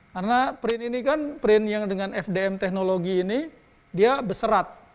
karena print ini kan print yang dengan fdm teknologi ini dia beserat